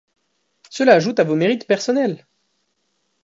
Cela ajoute à vos mérites personnels!